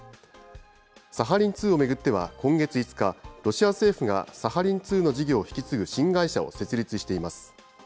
サハリン２を巡っては、今月５日、ロシア政府がサハリン２の事業を引き継ぐ新会社を設立しています。